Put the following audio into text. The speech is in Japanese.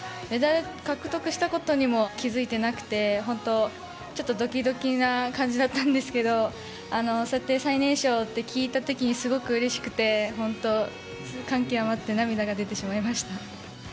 メダル獲得したことにも気付いてなくて、本当、ちょっとどきどきな感じだったんですけど、そうやって最年少って聞いたときにすごくうれしくて、本当、感極まって涙が出てしまいました。